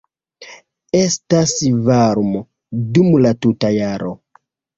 Estas varmo dum la tuta jaro.